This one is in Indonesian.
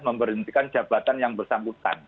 memberhentikan jabatan yang bersangkutan